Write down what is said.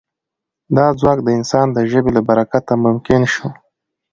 دا ځواک د انسان د ژبې له برکته ممکن شو.